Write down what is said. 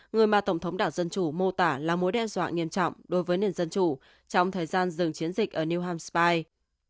người mà tổng thống đảng dân chủ mô tả là mối đe dọa nghiêm trọng đối với nền dân chủ trong thời gian dừng chiến dịch ở new ham space